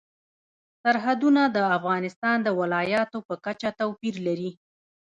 سرحدونه د افغانستان د ولایاتو په کچه توپیر لري.